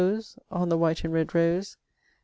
on the white and red rose .